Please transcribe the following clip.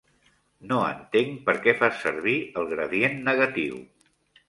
No entenc per què fas servir el gradient negatiu.